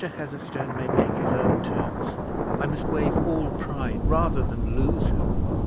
Heatherstone may make his own terms; I must wave all pride rather than lose her.